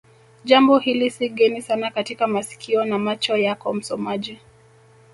jambo hili si geni sana katika masikio na macho yako msomaji